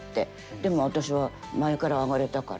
でも私は前から上がれたから。